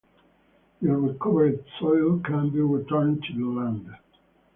The recovered soil can be returned to the land.